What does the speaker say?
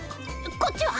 こっちは？